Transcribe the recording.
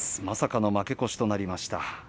まさかの負け越しになりました。